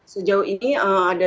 sejauh ini ada dua puluh lima